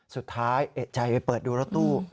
สุดท้ายเอกใจไปเปิดดูรถตู้